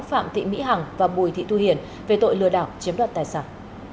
phạm thị mỹ hằng và bùi thị thu hiền về tội lừa đảo chiếm đoạt tài sản